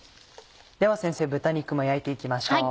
では先生豚肉も焼いて行きましょう。